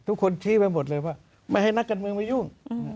ทุกคนชี้ไปหมดเลยว่าไม่ให้นักการเมืองมายุ่ง